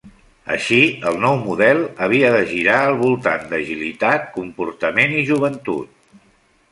Així el nou model havia de girar al voltant d'agilitat, comportament i joventut.